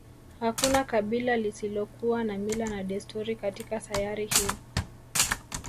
Hakuna kabila lisilokuwa na mila na desturi katika sayari hii